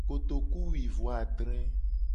Kotokuwuiadre.